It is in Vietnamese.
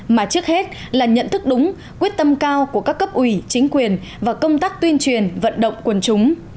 mà trước hết là nhận thức đúng quyết tâm cao của các cấp ủy chính quyền và công tác tuyên truyền vận động quần chúng